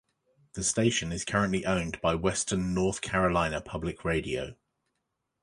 The station is currently owned by Western North Carolina Public Radio.